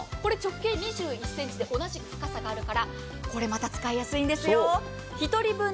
これ直径２１ｃｍで同じ深さがあるから、これまた使いやすいんですよ。